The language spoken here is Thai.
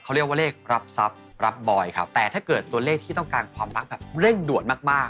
เขาเรียกว่าเลขรับทรัพย์รับบอยครับแต่ถ้าเกิดตัวเลขที่ต้องการความรักแบบเร่งด่วนมากมาก